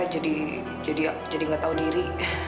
jadi jadi tidak tahu diri